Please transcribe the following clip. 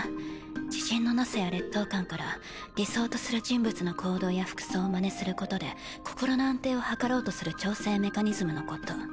自信のなさや劣等感から理想とする人物の行動や服装をまねすることで心の安定を図ろうとする調整メカニズムのこと。